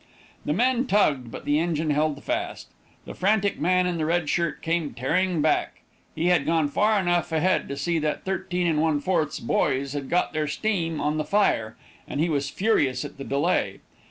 The men tugged, but the engine held fast; the frantic man in the red shirt came tearing back; he had gone far enough ahead to see that 13 1/4's boys had got their stream on the fire, and he was furious at the delay.